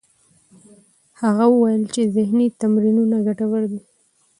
هغه وویل چې ذهنې تمرینونه ګټور دي.